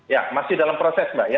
ya masih dalam proses mbak ya